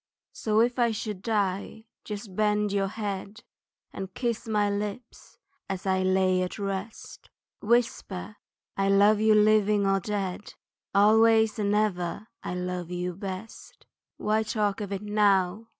So, if I should die just bend your head, And kiss my lips as I lie at rest, Whisper, I love you living or dead Always and ever I love you best. Why talk of it now?